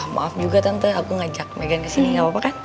maaf juga tante aku ngajak megan ke sini nggak apa apa kan